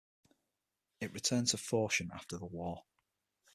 It returned to Foshan after the War.